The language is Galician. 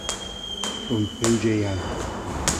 Rompeulle a alma